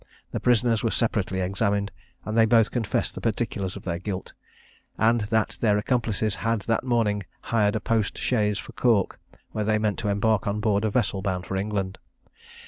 The prisoners were separately examined; and they both confessed the particulars of their guilt, and that their accomplices had that morning hired a post chaise for Cork, where they meant to embark on board a vessel bound for England.